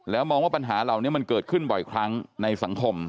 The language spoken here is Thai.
มองว่าปัญหาเหล่านี้มันเกิดขึ้นบ่อยครั้งในสังคม